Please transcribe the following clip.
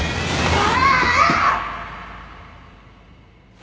あ。